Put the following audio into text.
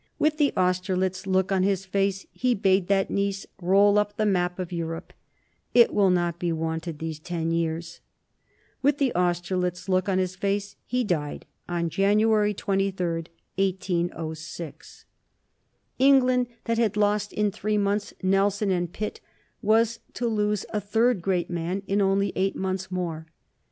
With the Austerlitz look on his face he bade that niece roll up the map of Europe: "It will not be wanted these ten years." With the Austerlitz look on his face he died on January 23, 1806. England, that had lost in three months Nelson and Pitt, was to lose a third great man in only eight months more.